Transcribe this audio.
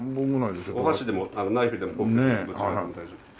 お箸でもナイフでもどちらでも大丈夫です。